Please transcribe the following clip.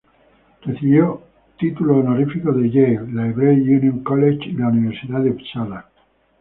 Recibió títulos honoríficos de Yale, la Hebrew Union College y la Universidad de Upsala.